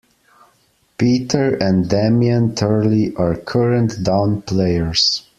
Peter and Damien Turley are current Down players.